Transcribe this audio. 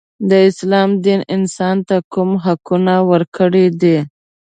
د اسلام دین انسان ته کوم حقونه ورکړي دي.